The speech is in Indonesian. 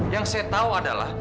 yang saya tahu adalah